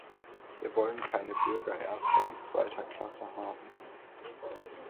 Wir wollen keine Bürger erster und zweiter Klasse haben.